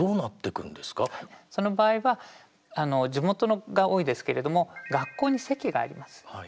その場合は地元が多いですけれども学校に籍があります。